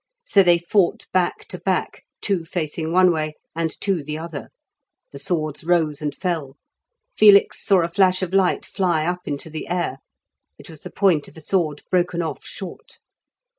So they fought back to back, two facing one way, and two the other. The swords rose and fell. Felix saw a flash of light fly up into the air, it was the point of a sword broken off short.